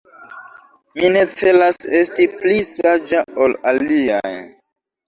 Mi ne celas esti pli saĝa ol aliaj.